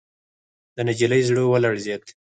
د نجلۍ زړه ولړزېد.